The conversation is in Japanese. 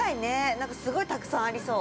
なんかすごいたくさんありそう。